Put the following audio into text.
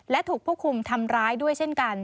และถูกผู้คุมทำร้ายด้วยเช่นกัน